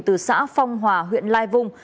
từ xã phong hòa huyện lai vung